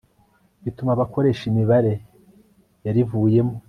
bituma abakoresha imibare yarivuyemo